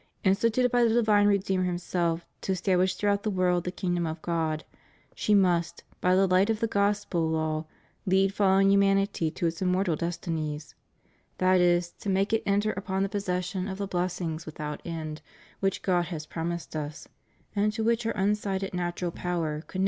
Instituted by the divine Redeemer Himself to establish throughout the world the kingdom of God, she must, by the light of the Gospel law, lead fallen humanity to its immortal destinies ; that is, to make it enter upon the pos session of the blessings without end which God has prom ised us, and to which our unaided natural power could REVIEW OF HIS PONTIFICATE.